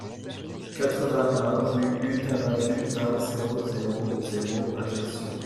quatre-vingt-un rue U Taravu, vingt, zéro zéro zéro, Ajaccio